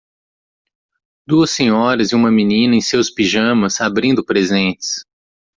Duas senhoras e uma menina em seus pijamas abrindo presentes